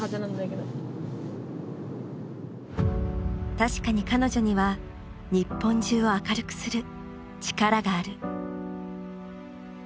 確かに彼女には日本中を明るくする力がある。